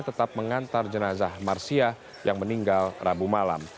tetap mengantar jenazah marsia yang meninggal rabu malam